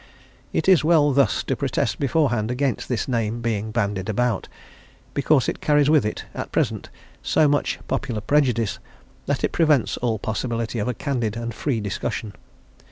It is well thus to protest beforehand against this name being bandied about, because it carries with it, at present, so much popular prejudice, that it prevents all possibility of candid and free discussion.